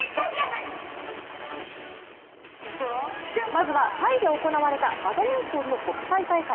まずはタイで行われたバドミントンの国際大会。